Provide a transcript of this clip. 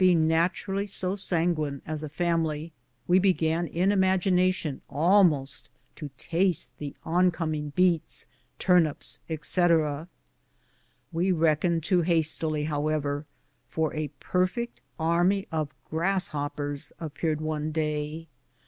171 ing naturally so sanguine as a family, we began in im agination almost to taste the oncoming beets, turnips, etc. We reckoned too hastily, however, for a perfect army of grasshoppers appeared one day.